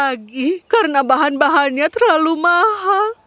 lagi karena bahan bahannya terlalu mahal